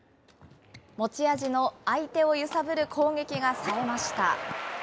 持ち味の相手を揺さぶる攻撃がさえました。